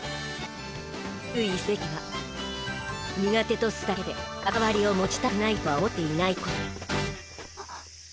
留意すべきは苦手とするだけで関わりを持ちたくないとは思っていないことだハッ。